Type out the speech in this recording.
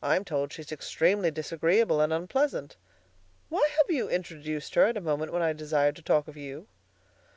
"I'm told she's extremely disagreeable and unpleasant. Why have you introduced her at a moment when I desired to talk of you?"